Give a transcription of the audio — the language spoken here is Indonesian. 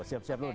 oke jangan gitu